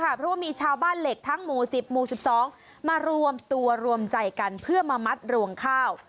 เพราะว่ามีชาวบ้านเหล็กทั้งหมู่๑๐หมู่๑๒มารวมตัวรวมใจกันเพื่อมามัดรวงข้าว